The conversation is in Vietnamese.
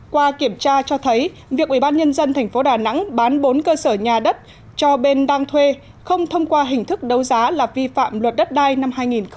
qua kiểm tra cho thấy việc ủy ban nhân dân tp đà nẵng bán bốn cơ sở nhà đất cho bên đang thuê không thông qua hình thức đấu giá là vi phạm luật đất đai năm hai nghìn ba